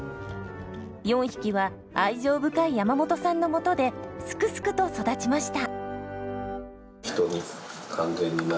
４匹は愛情深い山本さんのもとですくすくと育ちました。